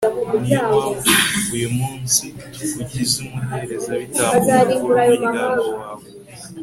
ni yo mpamvu kuva uyu munsi tukugize umuherezabitambo mukuru w'umuryango wawe